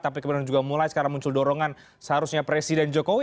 tapi kemudian juga mulai sekarang muncul dorongan seharusnya presiden jokowi